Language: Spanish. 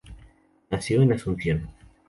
Nació en Asunción.